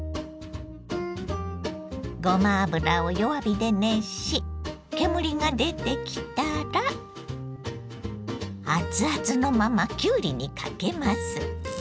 ごま油を弱火で熱し煙が出てきたらアツアツのままきゅうりにかけます。